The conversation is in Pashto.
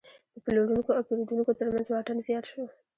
د پلورونکو او پیرودونکو ترمنځ واټن زیات شو.